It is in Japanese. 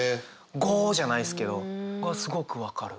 「ゴオ」じゃないですけどこれはすごく分かる。